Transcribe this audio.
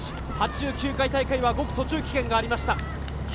８９回大会は５区、途中棄権がありました。